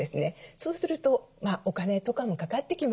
そうするとお金とかもかかってきます